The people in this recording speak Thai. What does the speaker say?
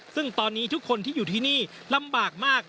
ซึ่งตอนนี้ทุกคนที่อยู่ที่นี่ลำบากมาก